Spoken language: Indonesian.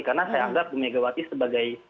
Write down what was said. karena saya anggap bu mega wati sebagai